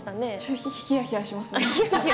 ひやひやしますね。